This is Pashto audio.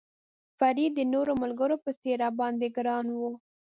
فرید د نورو ملګرو په څېر را باندې ګران و.